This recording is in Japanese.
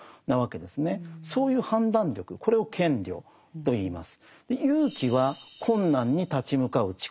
そういう判断力これを賢慮といいます。